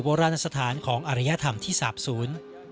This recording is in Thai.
โบราณสถานของอรยธรรมที่สาบศูนย์